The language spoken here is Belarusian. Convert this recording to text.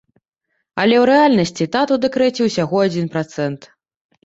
Але ў рэальнасці тат у дэкрэце ўсяго адзін працэнт.